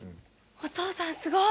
お父さんすごい！